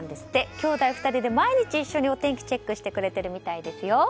姉弟２人で毎日一緒にお天気チェックしてくれているみたいですよ。